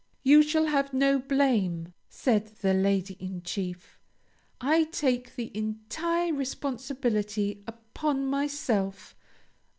"You shall have no blame," said the Lady in Chief. "I take the entire responsibility upon myself.